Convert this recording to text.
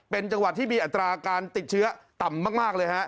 เป็นจังหวัดที่มีอัตราการติดเชื้อต่ำมากเลยฮะ